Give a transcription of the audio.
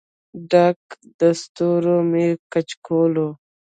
ډک د ستورو مې کچکول و